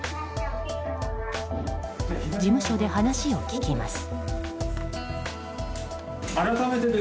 事務所で話を聞きます。